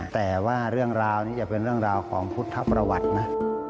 แต่ว่าเรื่องราวนี้จะเป็นเรื่องราวของพุทธประวัตินะ